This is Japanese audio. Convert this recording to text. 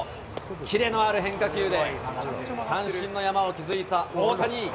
切れのある変化球で三振の山を築いた大谷。